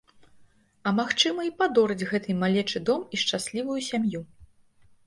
А магчыма і падорыць гэтай малечы дом і шчаслівую сям'ю.